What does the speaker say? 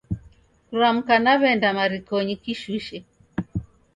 Kuramka naw'eenda marikonyi kishushe